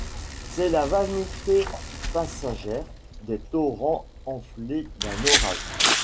C’est la vanité passagère des torrents enflés d’un orage.